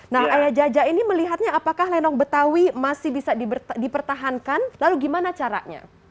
nah ayah jaja ini melihatnya apakah lenong betawi masih bisa dipertahankan lalu gimana caranya